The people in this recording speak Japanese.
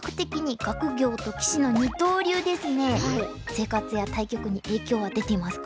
生活や対局に影響は出ていますか？